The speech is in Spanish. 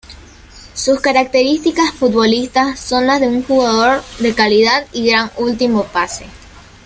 Sus características futbolistas son la de un jugador de calidad y gran último pase.